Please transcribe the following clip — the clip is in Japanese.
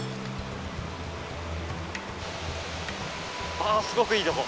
ああすごくいいとこ。